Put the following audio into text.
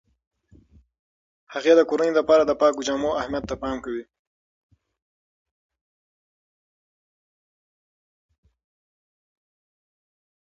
هغې د کورنۍ لپاره د پاکو جامو اهمیت ته پام کوي.